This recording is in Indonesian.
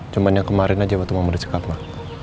cuman yang kemarin aja waktu mau mencegah pak